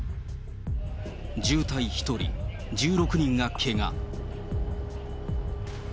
重体１人、１６人がけが。